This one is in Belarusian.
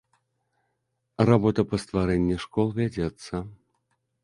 Работа па стварэнні школ вядзецца.